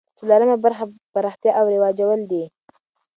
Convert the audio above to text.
څلورمه برخه پراختیا او رواجول دي.